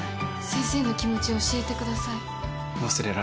先生の気持ち、教えてください。